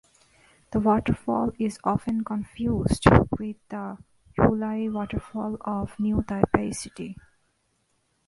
The waterfall is often confused with the Wulai Waterfall of New Taipei City.